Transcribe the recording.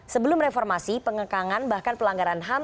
sebelum reformasi pengekangan bahkan pelanggaran ham